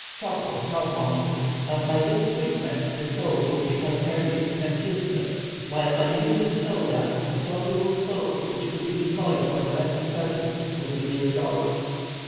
Chalk was not wanting, but by this treatment the soap would be calcareous and useless, while by using soda, a soluble soap, which could be employed for domestic purposes, would be the result.